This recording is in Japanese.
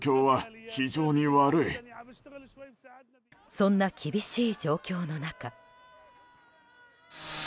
そんな厳しい状況の中。